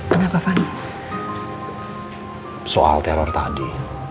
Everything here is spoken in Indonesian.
kena kapanan soal teror tadi